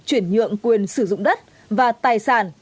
chuyển nhượng quyền sử dụng đất và tài sản